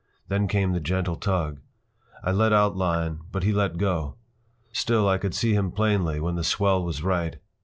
Then came the gentle tug. I let out line, but he let go. Still I could see him plainly when the swell was right.